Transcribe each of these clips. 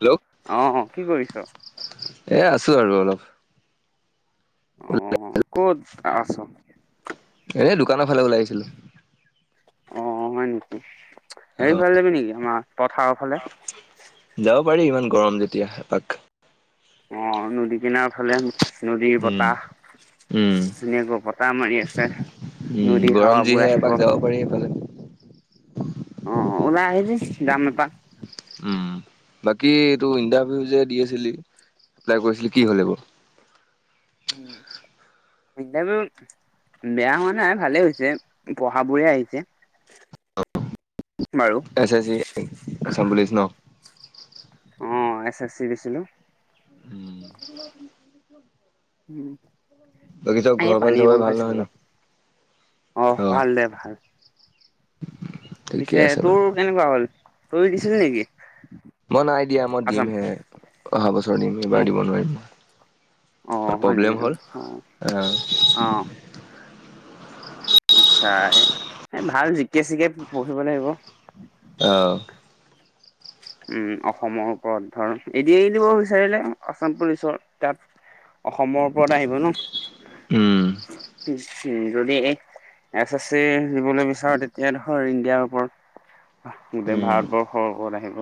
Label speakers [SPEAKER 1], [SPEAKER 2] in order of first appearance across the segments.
[SPEAKER 1] Hello
[SPEAKER 2] অহ কি কৰিছ
[SPEAKER 1] এ আছো আৰু অলপ
[SPEAKER 2] অ ক'ত আছ
[SPEAKER 1] এনে দোকানৰ ফালে ওলাই আহিছিলো
[SPEAKER 2] অ হয় নেকি
[SPEAKER 1] অ
[SPEAKER 2] হেৰি ফালে যাবি নেকি আমাৰ পথাৰৰ ফালে
[SPEAKER 1] যাব পাৰি ইমান গৰম যেতিয়া এপাক
[SPEAKER 2] অ নদী কিনাৰ ফালে নদীৰ
[SPEAKER 1] উম
[SPEAKER 2] বতাহ
[SPEAKER 1] উম
[SPEAKER 2] ধুনীয়াকৈ বতাহ মাৰি আছে
[SPEAKER 1] উম
[SPEAKER 2] নদী
[SPEAKER 1] গৰম
[SPEAKER 2] হাৱাবোৰ
[SPEAKER 1] যিহে
[SPEAKER 2] আহিব।
[SPEAKER 1] এপাক যাব পাৰি সিফালে
[SPEAKER 2] অ ওলাই আহিবি যাম এপাক
[SPEAKER 1] উম বাকী এইটো ইণ্টাৰভিউ যে দি আছিলি এপ্লাই কৰিছিলে কি হ'ল এইবো
[SPEAKER 2] উম ইণ্টাৰভিউ বেয়া হোৱা নাই ভালে হৈছে পঢ়া বোৰে আহিছে
[SPEAKER 1] অফ
[SPEAKER 2] বাৰু।
[SPEAKER 1] এ আছাম পুলিচ ন
[SPEAKER 2] অ এছ এছ চি দিছিলো
[SPEAKER 1] উম
[SPEAKER 2] উম এই
[SPEAKER 1] ফালে চবৰে
[SPEAKER 2] পানীয়েকণ
[SPEAKER 1] ভাল নহয়
[SPEAKER 2] খাইছিল
[SPEAKER 1] ন
[SPEAKER 2] আহ
[SPEAKER 1] অ
[SPEAKER 2] ভাল দে ভাল
[SPEAKER 1] ঠিকে
[SPEAKER 2] পিছে
[SPEAKER 1] আছে বাৰু
[SPEAKER 2] তোৰ কেনেকুৱা হ'ল তই দিছিল নেকি
[SPEAKER 1] মই নাই দিয়া মই
[SPEAKER 2] আছাম?
[SPEAKER 1] দিমহে অহা বছৰ দিম এইবাৰ
[SPEAKER 2] অ',
[SPEAKER 1] দিব নোৱাৰিম
[SPEAKER 2] অ', হয় নেকি?
[SPEAKER 1] প্ৰব্লেম হ'ল
[SPEAKER 2] অ',
[SPEAKER 1] আহ
[SPEAKER 2] অ'। আচ্ছা এ এ ভাল জিকে চিকে পঢ়িব লাগিব
[SPEAKER 1] অঁ।
[SPEAKER 2] উম, অসমৰ ওপৰত ধৰ। এদিয় এ দিব বিচাৰিলে আছাম পুলিচৰ তাত অসমৰ ওপৰত আহিব ন?
[SPEAKER 1] উম।
[SPEAKER 2] যদি এই এছ এছ চি দিবলৈ বিচাৰ তেতিয়া ধৰ ইণ্ডিয়াৰ ওপৰত গোটেই
[SPEAKER 1] উম
[SPEAKER 2] ভাৰতবৰ্ষৰ ওপৰত আহিব।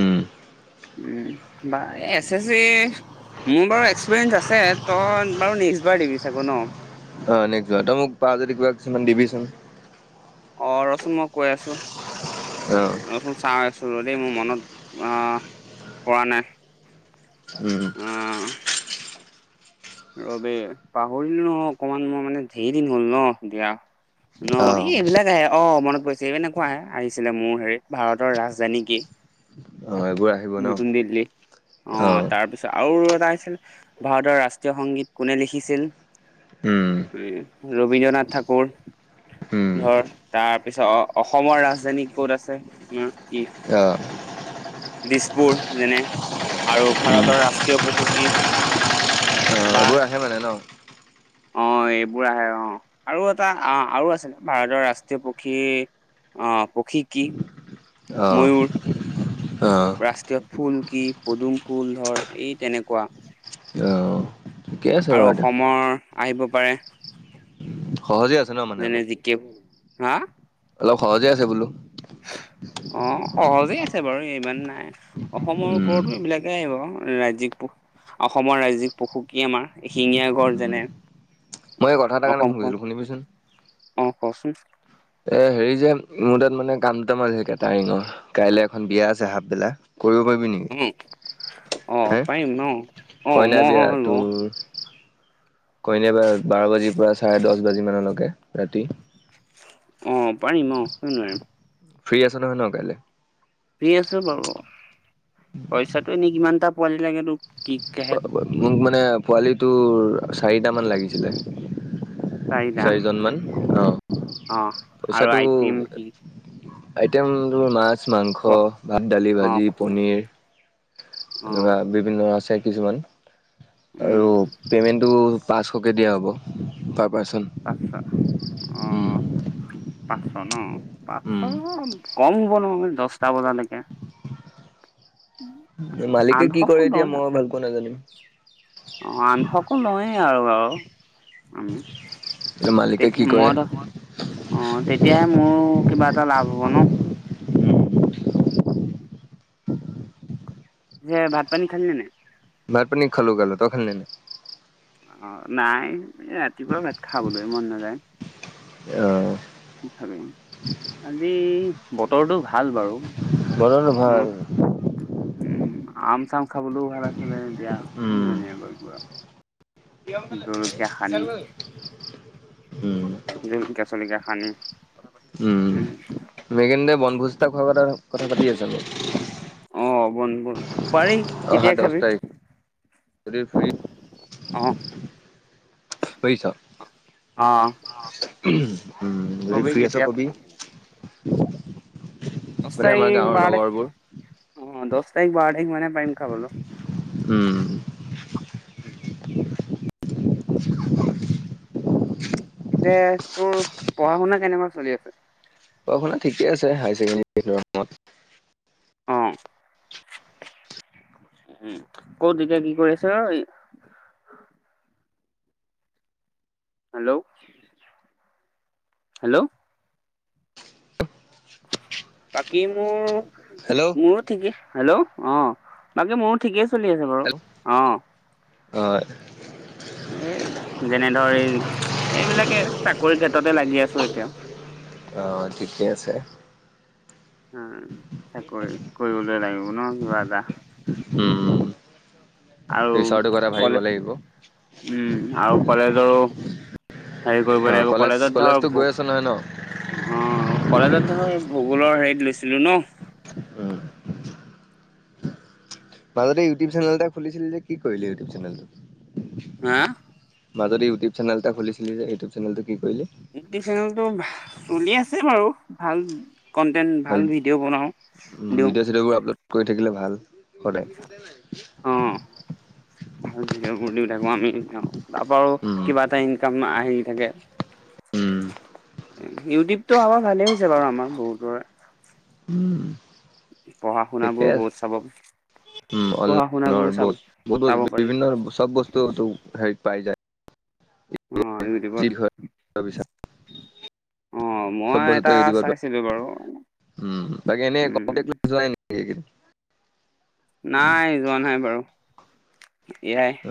[SPEAKER 1] উম
[SPEAKER 2] উম, বা এছ এছ চি মোৰ বাৰু এক্সপিৰিয়েঞ্চ আছে। তই বাৰু নেক্স বাৰ দিবি চাগৈ ন?
[SPEAKER 1] অ নেক্স বাৰ। তই মোক পাৰ যদি কিবা কিছুমান দিবিচোন।
[SPEAKER 2] অ ৰচোন মই কৈ আছোঁ।
[SPEAKER 1] অহ
[SPEAKER 2] চাই আছো যে দেই মোৰ মনত আহ পৰা নাই।
[SPEAKER 1] উম।
[SPEAKER 2] আহ ৰ দেই পাহৰিলোঁ নহয় অকমান মই মানে ঢেৰ দিন হ'ল ন দিয়া। ন এই
[SPEAKER 1] অ'
[SPEAKER 2] এইবিলাক আহে অ মনত পৰিছে এই এনেকুৱা আহে আহিছিলে মোৰ হেৰিত ভাৰতৰ ৰাজধানী কি?
[SPEAKER 1] এইবোৰ আহিব ন
[SPEAKER 2] নতুন দিল্লী, অ তাৰপিছত আৰু। ভাৰতৰ ৰাষ্ট্ৰীয় সংগীত কোনে লিখিছিল। উম! ৰবীন্দ্ৰনাথ ঠাকুৰ।
[SPEAKER 1] উম
[SPEAKER 2] ধৰ তাৰপিছত অসমৰ ৰাজধানী ক'ত আছে উম কি?
[SPEAKER 1] অ
[SPEAKER 2] দিছপুৰ যেনে আৰু ভাৰতৰ ৰাষ্ট্ৰীয় পশু কি?
[SPEAKER 1] অ'
[SPEAKER 2] বাহ
[SPEAKER 1] এইবোৰ আহে মানে ন
[SPEAKER 2] অ, এইবোৰ আহে অ আৰু এটা আহ আৰু আছে ভাৰতৰ ৰাষ্ট্ৰীয় পক্ষী অ পক্ষী কি?
[SPEAKER 1] অহ।
[SPEAKER 2] ময়ুৰ ৰাষ্ট্ৰীয় ফুল কি? পদুম ফুল ধৰ, এই তেনেকুৱা।
[SPEAKER 1] অহ।
[SPEAKER 2] আৰু অসমৰ আহিব পাৰে।
[SPEAKER 1] সহজে আছে ন মানে
[SPEAKER 2] যেনে
[SPEAKER 1] অলপ।
[SPEAKER 2] জিকে হা?
[SPEAKER 1] অলপ সহজে আছে বোলো।
[SPEAKER 2] অ। অ সহজে আছে বাৰু ইমান নাই। অসমৰ
[SPEAKER 1] উম।
[SPEAKER 2] ওপৰতো এইবিলাকে আহিব ৰাজ্যিক প অসমৰ ৰাজ্যিক পশু কি? আমাৰ এশিঙীয়া গড়
[SPEAKER 1] উম
[SPEAKER 2] যেনে।
[SPEAKER 1] মই এই কথা এটা কাৰণে ফোন
[SPEAKER 2] অসমখন
[SPEAKER 1] কৰিছিলোঁ শুনিবিচোন।
[SPEAKER 2] অ কচোন।
[SPEAKER 1] এ হেৰি যে মোৰ তাত মানে কাম এটা আছে কেটাৰিঙৰ। কাইলৈ এখন বিয়া আছে হাপবেলা। কৰিব পাৰিবি
[SPEAKER 2] উ
[SPEAKER 1] নেকি?
[SPEAKER 2] অ
[SPEAKER 1] হে
[SPEAKER 2] পাৰিম ন অ
[SPEAKER 1] কইনা বিয়া
[SPEAKER 2] মই লওঁ
[SPEAKER 1] তোৰ কইনাবাৰ বাৰ বাজিৰ পৰা চাৰে দহ বাজি মানলৈকে ৰাতি।
[SPEAKER 2] অ, পাৰিম অ। কিয় নোৱাৰিম।
[SPEAKER 1] ফ্ৰী আছ নহয় ন কাইলে?
[SPEAKER 2] ফ্ৰী আছো বাৰু, পইচাটো এনেই কিমানটা পোৱালি লাগে তোক কি
[SPEAKER 1] মোক মানে পোৱালি তোৰ চাৰিটামান লাগিছিলে।
[SPEAKER 2] চাৰিটা
[SPEAKER 1] চাৰিজনমান অঁ
[SPEAKER 2] অ আৰু
[SPEAKER 1] পইচাটো
[SPEAKER 2] আইটিম কি
[SPEAKER 1] আইটেম তোৰ মাছ,
[SPEAKER 2] কোৱা
[SPEAKER 1] মাংস, ভাত, দালি, ভাজি,
[SPEAKER 2] অ',
[SPEAKER 1] পনীৰ।
[SPEAKER 2] অ',
[SPEAKER 1] এনেকুৱা বিভিন্ন আছে কিছুমান।
[SPEAKER 2] উম,
[SPEAKER 1] আৰু পেমেন্টটো পাঁচশকে দিয়া হ'ব। পাৰ্চন
[SPEAKER 2] পাচচ অ।
[SPEAKER 1] উম
[SPEAKER 2] পাঁচ চ ন? পাঁচ চ
[SPEAKER 1] উম।
[SPEAKER 2] কম হ'ব নহয় দছটা বজালৈকে।
[SPEAKER 1] মালিকে কি
[SPEAKER 2] আঠশকো
[SPEAKER 1] কৰে এতিয়া
[SPEAKER 2] লয়
[SPEAKER 1] মই ভালকৈ নাজানিম।
[SPEAKER 2] অ আঠশ কৈ লৌৱে আৰু বাৰু, উম।
[SPEAKER 1] মালিকে কি
[SPEAKER 2] তেতিয়া
[SPEAKER 1] কৰে
[SPEAKER 2] মই ধৰ অ, তেতিয়াহে মোৰ কিবা টা লাভ হব ন। যে, ভাত পানী খালি নে নাই?
[SPEAKER 1] ভাত পানী খালো খালো। তই খালী নে নাই?
[SPEAKER 2] অ, নাই ৰাতিপুৱা ভাত খাবলৈ মন নাযায়।
[SPEAKER 1] আহ।
[SPEAKER 2] [inaudible] আজি বতৰটো ভাল বাৰু।
[SPEAKER 1] বতৰ তো ভাল। [inaudible]
[SPEAKER 2] আম-চাম খাবলৈও ভাল আছিলে এতিয়া
[SPEAKER 1] উম
[SPEAKER 2] [unintelligible] জলকীয়া খানি
[SPEAKER 1] উম,
[SPEAKER 2] জলকীয়া-চলকীয়া খানি
[SPEAKER 1] উম, মেগিনে বনভোজ এটা খোৱা কথা পাতি আছে মোক।
[SPEAKER 2] বন বন পাৰি কেতিয়া খাবি?
[SPEAKER 1] তাৰিখ যদি ফ্ৰী
[SPEAKER 2] অ।
[SPEAKER 1] বুজিছ
[SPEAKER 2] অঁ।
[SPEAKER 1] উম যদি ফ্ৰী আছ কবি।
[SPEAKER 2] দছ
[SPEAKER 1] মানে
[SPEAKER 2] তাৰিখ
[SPEAKER 1] আমাৰ
[SPEAKER 2] [unintelligible]
[SPEAKER 1] গাঁৱৰ লগৰবোৰ
[SPEAKER 2] তাৰিখ বাৰ তাৰিখ মানে পাৰিম
[SPEAKER 1] উম।
[SPEAKER 2] খাবলৈ।
[SPEAKER 1] [inaudible]
[SPEAKER 2] উম। এ, যে তোৰ পঢ়া শুনা কেনেকুৱা চলি আছে?
[SPEAKER 1] পঢ়া শুনা ঠিকে আছে হায় ছেকেণ্ডী।
[SPEAKER 2] অ
[SPEAKER 1] [inaudible]
[SPEAKER 2] উম, কত এতিয়া কি কৰি আছ? Hello hello. বাকী মোৰ
[SPEAKER 1] হেল্ল'
[SPEAKER 2] মোৰো ঠিকেই। হেল্ল'? অ, বাকী মোৰো ঠিকেই চলি আছে বাৰু অ।
[SPEAKER 1] হয়।
[SPEAKER 2] এ, যেনে ধৰি এইবিলাকে চাকৰি কেততে লাগি আছো এতিয়া।
[SPEAKER 1] আহ ঠিকেই আছে।
[SPEAKER 2] উম, চাক ক উওলে লাগিব নিদিবা।
[SPEAKER 1] উম।
[SPEAKER 2] আৰু
[SPEAKER 1] ফিউচাৰটোৰ কথা ভাবিব লাগিব অ',
[SPEAKER 2] কলেজ উম আৰু কলেজৰো হেৰি কৰিব লাগিব
[SPEAKER 1] কলেজ
[SPEAKER 2] কলেজত ধৰ
[SPEAKER 1] কলেজতো গৈ আছ নহয় ন?
[SPEAKER 2] ভোক অ কলেজত ভূগোলৰ হেৰিত লৈছিলো ন।
[SPEAKER 1] উম। মাজতে ইউটিউব চেনেল এটা খুলিছিলে যে কি কৰিল ইউটিউ চেনেলটো
[SPEAKER 2] হা
[SPEAKER 1] মাজত ইউটিউ চেনেলটা খুলিছিল যে ইউটব চেনেলটো। কি কৰিলি?
[SPEAKER 2] ইউটিউব চেনেলটো চলি আছে বাৰু ভাল। কন্টেন্ট ভাল ভিডিঅ' বনাওঁ দিওঁ।
[SPEAKER 1] ভিডিঅ' চিডিঅ'বোৰ আপলোড কৰি থাকিলে ভাল সদায়।
[SPEAKER 2] অ ভাল ভিডিঅ' বোৰ দি থাকো আমি তাৰাপৰা
[SPEAKER 1] উম,
[SPEAKER 2] কিবা এটা ইনকাম আহি থাকে।
[SPEAKER 1] উম।
[SPEAKER 2] ইউটিউবতটো আমাৰ ভালে হৈছে বাৰু আমাৰ বহুতৰে।
[SPEAKER 1] উম।
[SPEAKER 2] পঢ়া
[SPEAKER 1] ঠিকে
[SPEAKER 2] শুনাবোৰো
[SPEAKER 1] আছে,
[SPEAKER 2] বহুত স্বাবল।
[SPEAKER 1] উম, অনলাই বহুত বহুত
[SPEAKER 2] চাব পাৰি
[SPEAKER 1] বিভিন্ন চব বস্তু হেৰি পাই যায়।
[SPEAKER 2] অ
[SPEAKER 1] যি
[SPEAKER 2] ইউটিউবত
[SPEAKER 1] বিষয়ে বিচাৰো।
[SPEAKER 2] অ
[SPEAKER 1] চব
[SPEAKER 2] মই এটা
[SPEAKER 1] বছটিউ
[SPEAKER 2] চাইছিলো বাৰু
[SPEAKER 1] বাক এনে।
[SPEAKER 2] উম
[SPEAKER 1] হৈগ [unintelligible]
[SPEAKER 2] নাই যোৱা নাই বাৰু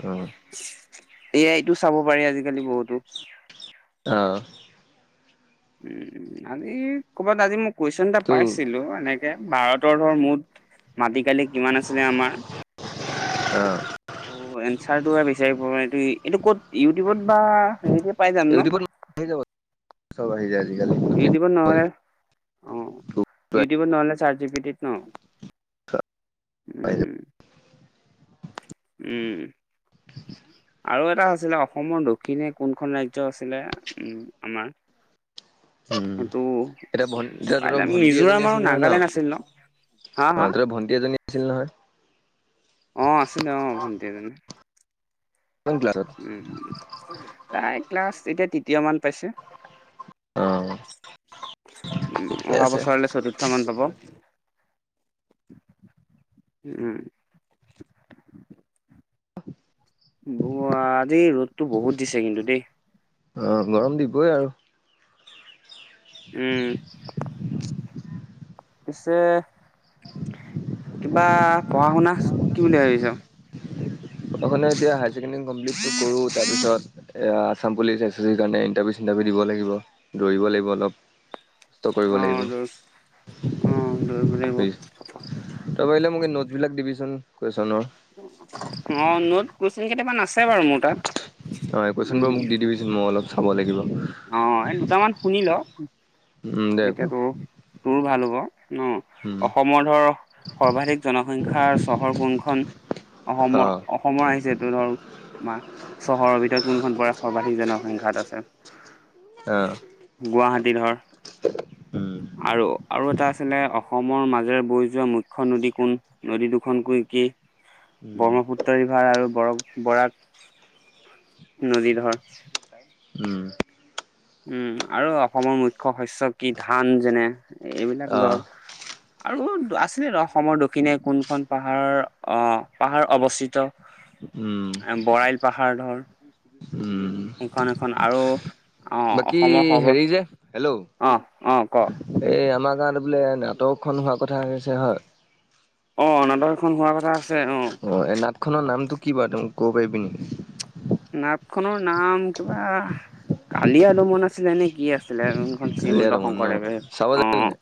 [SPEAKER 1] অ',
[SPEAKER 2] এয়াইতটো চাব পাৰি আজিকালি বহুতো।
[SPEAKER 1] অ।
[SPEAKER 2] উম উম আজি ক'বাত আজি মই কুৱেশচন এটা
[SPEAKER 1] তো
[SPEAKER 2] পাইছিলো এনেকে ভাৰত। তৰ মুঠ। মাটি কালি কিমান আছিলে আমাৰ [inaudible]
[SPEAKER 1] অ',
[SPEAKER 2] [inaudible] বিচাৰি পোৱাটো এইটো ক'ত ইউটিউবত বা হ।
[SPEAKER 1] ইউটিউবত আহি যাব চব আহি যায় আজিকাল।
[SPEAKER 2] ইউটোব নহলে অ
[SPEAKER 1] গুগল
[SPEAKER 2] ইউটোব নহলে চাৰটজি পটি ন।
[SPEAKER 1] আহি যাব।
[SPEAKER 2] উম। উম।
[SPEAKER 1] [unintelligible]
[SPEAKER 2] আৰু এটা আছিলে অসমৰ দক্ষিণে কোনখন ৰাজ্য আছিলে উম আমাৰ।
[SPEAKER 1] উম,
[SPEAKER 2] সসটো
[SPEAKER 1] এতিয়া ভন এতিয়া তহঁতৰ
[SPEAKER 2] পাই
[SPEAKER 1] ভন্টি এজনী
[SPEAKER 2] মিজোৰাম আৰু
[SPEAKER 1] আছিল নহয় ন?
[SPEAKER 2] নাগালেণ্ড আছিল ন। হা
[SPEAKER 1] অ
[SPEAKER 2] হা
[SPEAKER 1] ত ভণ্টি এজনী আছিল নহয়।
[SPEAKER 2] অ আছিলে অ ভণ্টি এজনী।
[SPEAKER 1] কোন ক্লাছত?
[SPEAKER 2] উন তাই ক্লাছ এতিয়া তৃতীয় মান পাইছে।
[SPEAKER 1] অ',
[SPEAKER 2] উম
[SPEAKER 1] ঠিকে
[SPEAKER 2] অহা
[SPEAKER 1] আছে,
[SPEAKER 2] বছৰলৈ চতুৰ্থ মান পাব। উম। ব আজি ৰ'দতটো বহুত দিছে কিন্তু দেই।
[SPEAKER 1] অ গৰম দিবই আৰু।
[SPEAKER 2] উম। পিছে। কিবা পঢ়া শুনা কি বুলি ভাবিছা।
[SPEAKER 1] কব গলে এতিয়া হাইজেকেণ্ডাৰি কমপ্লিত টো কৰো তাৰপিছত আছাম পুলিছ একছিচি ইন্টাৰভিউ। দাবি দিব লাগিব দৌৰিব লাগিব অলপ। কষ্ট কৰিব
[SPEAKER 2] অ
[SPEAKER 1] লাগিব
[SPEAKER 2] দ অ দৌৰিব লাগিব।
[SPEAKER 1] তাৰপ আহে মোক এই নোটছ বিলাক দিবিচোন কোৱেশনৰ।
[SPEAKER 2] অ নোদ কোৱেচন কেইটামান আছে বাৰু মোৰ তাত।
[SPEAKER 1] অ কুৱেশচন
[SPEAKER 2] উম,
[SPEAKER 1] বোৰ মোক দি দিবিচোন মই অলপ চাব লাগিব।
[SPEAKER 2] অ দুটামান শুনি ল
[SPEAKER 1] উম দে ক
[SPEAKER 2] এতিয়াতোৰ তোৰ ভাল হ'ব। ন
[SPEAKER 1] উম
[SPEAKER 2] অসমৰ ধৰ সৰ্বাধিক জনসংখ্যাৰ চহৰ কোনখন। অসমৰ
[SPEAKER 1] অঁ
[SPEAKER 2] অসমৰ আহিছেটো ধৰ। আমাৰ চহৰৰ ভিতৰত কোনখন পৰে সৰ্বাধিক জনসংখ্যাত আছে।
[SPEAKER 1] অ।
[SPEAKER 2] গুৱাহাটী ধৰ আৰু। আৰু এটা আছিলে অসমৰ মাজেৰে বৈ যোৱা মুখ্য নদী কোন নদী দুখনকৈ কি।
[SPEAKER 1] উম
[SPEAKER 2] ব্ৰহ্মাপুত। [inaudible] আৰু ব বৰাক নদী ধৰ।
[SPEAKER 1] উম।
[SPEAKER 2] উম আৰু অসমৰ মুখ্য শস্য কি ধান যেনে এইবিলাক ধৰ।
[SPEAKER 1] অঁ
[SPEAKER 2] আৰু আছিলে ন অসমৰ দক্ষিণে কোনখন পাহাৰৰ অ পাহাৰ অৱস্থিত।
[SPEAKER 1] উম
[SPEAKER 2] বৰাইল পাহাৰ ধৰ।
[SPEAKER 1] উম
[SPEAKER 2] সেইখন এখন আৰু। অ
[SPEAKER 1] বাকী
[SPEAKER 2] অসমৰ সৰ্ব
[SPEAKER 1] হেৰি যে হেল্ল'
[SPEAKER 2] অ অ ক
[SPEAKER 1] এই আমাক। গান বোলে নাটকখন হোৱা কথা হৈছে হা।
[SPEAKER 2] অ', অনাটক এখন হোৱাৰ কথা আছে
[SPEAKER 1] [inaudible] অ এই নাটখনৰ নামটো কি বাৰ তুম। কব পাৰিবি নেকি।
[SPEAKER 2] নাট খনৰ নাম কিবা কালি আলোমন আছিলে নে কি আছিলে। খন
[SPEAKER 1] কালিয়া
[SPEAKER 2] শ্ৰীমন্ত
[SPEAKER 1] দমন ন
[SPEAKER 2] শংকৰ দেৱে
[SPEAKER 1] চাব
[SPEAKER 2] অ।
[SPEAKER 1] যাবি নাই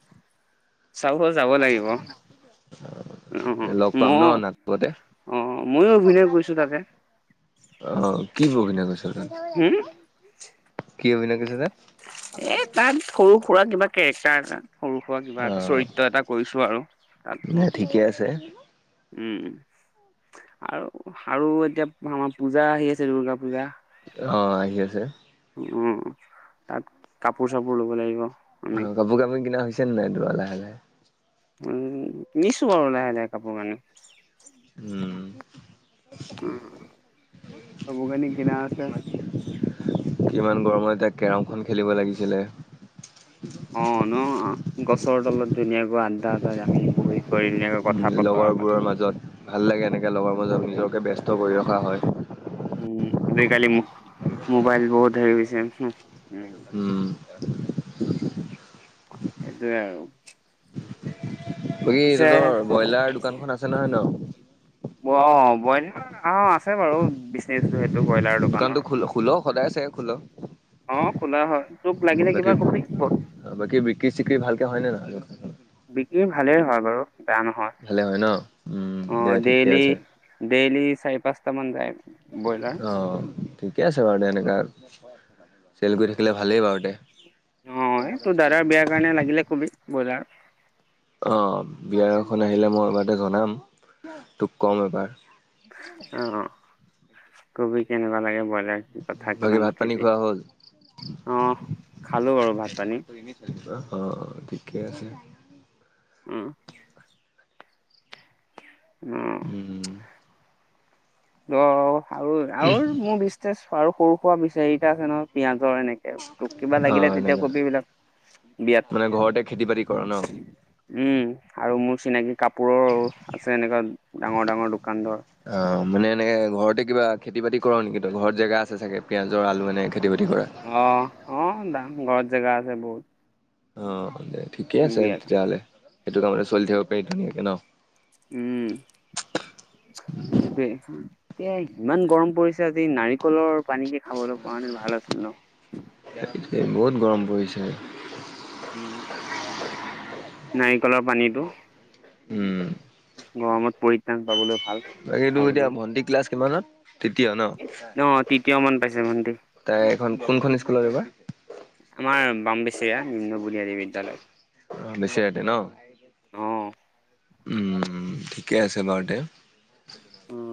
[SPEAKER 2] চাব যাব লাগিব অ',
[SPEAKER 1] [unintelligible] লগ পাম
[SPEAKER 2] মই
[SPEAKER 1] ন নাটপতে।
[SPEAKER 2] অ', ময়ো অভিনয় কৰিছো তাতে
[SPEAKER 1] অ কি বগীনা গছৰ তে
[SPEAKER 2] হম
[SPEAKER 1] কৰিছ তাত
[SPEAKER 2] এ তাত সৰু সুৰা কিবা কেৰেক্টাৰ এটা সৰু সুৰা কিবা
[SPEAKER 1] অ
[SPEAKER 2] এটা চৰিত্ৰ এটা কৰিছো আৰু তাত
[SPEAKER 1] দে ঠিকে আছে
[SPEAKER 2] মোৰ উম আৰু আৰু এতিয়া আমাৰ পূজা আহি আছে দুূৰ্গা
[SPEAKER 1] আহ আহি আছে
[SPEAKER 2] উম, তাত কাপোৰ চাপোৰ ল'ব লাগিব আমি
[SPEAKER 1] অ' কাপোৰ কাপোৰ কিনা হৈছে নে নাই? তোৰ লাহে লাহে
[SPEAKER 2] উম নিছো আৰু লাহে লাহে কাপোৰ কানি
[SPEAKER 1] উম
[SPEAKER 2] অ কাপোৰ কানি কিনা হৈছে
[SPEAKER 1] কিমান গৰমত এতিয়া কেৰমখন খেলিব লাগিছিলে
[SPEAKER 2] ৰ তলত ধুনাকৈ আন্দা আটা আমি বহত বি ধুন
[SPEAKER 1] উম লগৰবোৰৰ মাজত ভাল লাগে এনেকে লগৰ মাজত নিজকে ব্যস্ত কৰি ৰখা হয়
[SPEAKER 2] উম আজি কালি মোবাইল বহুত হৰিছে
[SPEAKER 1] উম
[SPEAKER 2] সেইটোৱে আৰু আৰু
[SPEAKER 1] কি তহঁতৰ ব্ৰইলাৰ দোকানখন আছে নহয় ন
[SPEAKER 2] বন্য অ আছে বাৰু বিনে
[SPEAKER 1] দোকানতো খ খোল সদায় চাই খোল
[SPEAKER 2] অ' খোলা হয় তোক লাগিলে কিবা
[SPEAKER 1] বাকী
[SPEAKER 2] কবি
[SPEAKER 1] বাকী বিক্ৰী চিক্ৰী ভালকে হয়নে না
[SPEAKER 2] বিক্ৰী ভালেই হয় বাৰু বেয়া
[SPEAKER 1] ভালে হয় ন?
[SPEAKER 2] নহয়
[SPEAKER 1] উম দে
[SPEAKER 2] অ
[SPEAKER 1] ঠিকে
[SPEAKER 2] ডেইলি
[SPEAKER 1] আছে।
[SPEAKER 2] ডেইলি চাৰি পাঁচটা মান যায় ব্ৰইলাৰ।
[SPEAKER 1] আহ ঠিকে আছে বাৰু এনে কাৰ চেল কৰি থাকিলে ভালেই বাৰু দে
[SPEAKER 2] অ' তোৰ দাদাৰ বিয়াৰ কাৰণে লাগিলে। কবি ব্ৰইলাৰ
[SPEAKER 1] অ' বিয়াৰ এখন আহিলে মই এবাৰ জনাম তোক কম এবাৰ [unintelligible]
[SPEAKER 2] অ'। কবি কেনেকুৱা লাগে বইলাৰ
[SPEAKER 1] বাকী ভাত পানী খোৱা হ'ল।
[SPEAKER 2] অ'। খালোঁ বাৰু ভাত
[SPEAKER 1] এ
[SPEAKER 2] পানী
[SPEAKER 1] অ' ঠিকে ঠিকে আছে?
[SPEAKER 2] উম
[SPEAKER 1] উম,
[SPEAKER 2] অ ৰ আৰু-আৰু মোৰ বিচনেছ আৰু সৰু খুৰা আমি চাৰিটা আছে নহয়, পিঁয়াজ জ এনেকে তোক কিবা
[SPEAKER 1] অ'
[SPEAKER 2] লাগিলে তেতিয়া
[SPEAKER 1] এনেকা
[SPEAKER 2] কবি, এইবিলাক বিয়াত
[SPEAKER 1] মানে ঘৰতে খেতি বাতি কৰ ন?
[SPEAKER 2] উম আৰু মোৰ চিনাকি কাপোৰৰো, আছে এনেকুৱা ডাঙৰ-ডাঙৰ দোকান ধৰ।
[SPEAKER 1] অ' মানে এনেকে ঘৰতে কিবা খেতি-বাতি কৰ নেকি? তহঁতৰ ঘৰত জেগা আছে চাগে, পিয়াঁজ আলু এনেকে খেতি বাতি কৰা?
[SPEAKER 2] অহ, অ দাম, ঘৰত জেগা আছে বহুত।
[SPEAKER 1] অ, হয় দে ঠিকে আছে
[SPEAKER 2] বিয়াত
[SPEAKER 1] তেতিয়াহ'লে, সেইটো কামতে চলি থাকিব পাৰি ধুনীয়াকে ন।
[SPEAKER 2] উম--সেইটোৱে, উম এইয়া ইমান গৰম পৰিছে আজি, নাৰিকলৰ পানীকে খাবলৈ পৰাহেঁতেন ভাল আছিল ন।
[SPEAKER 1] সেইটোকে, বহুত গৰম পৰিছে আজি।
[SPEAKER 2] উম, নাৰিকলৰ পানীটো
[SPEAKER 1] উম
[SPEAKER 2] গৰমত পৰিত্ৰাণ পাবলৈ। ভাল
[SPEAKER 1] বাকী তোৰ এতিয়া
[SPEAKER 2] খাবলৈ।
[SPEAKER 1] ভণ্টি ক্লাছ কিমানত? তৃতীয়
[SPEAKER 2] অ তৃতীয় মান পাইছে
[SPEAKER 1] ন?
[SPEAKER 2] ভণ্টি
[SPEAKER 1] তাই এখন কোনখন স্কুলত এইবাৰ?
[SPEAKER 2] আমাৰ বাম্বেচেয়া নিম্ন বুনিয়াদী বিদ্যালয়।
[SPEAKER 1] অ, নিশ্চয়তে ন
[SPEAKER 2] অ।
[SPEAKER 1] উম, ঠিকে আছে বাৰু এতিয়া।
[SPEAKER 2] উম